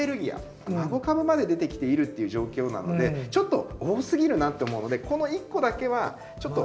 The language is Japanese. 孫株まで出てきているっていう状況なのでちょっと多すぎるなって思うのでこの１個だけは。